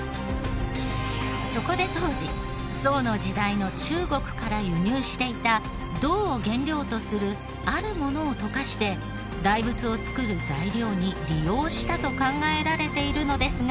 そこで当時宋の時代の中国から輸入していた銅を原料とするあるものを溶かして大仏を造る材料に利用したと考えられているのですが。